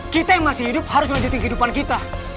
kita yang masih hidup harus melanjutkan kehidupan kita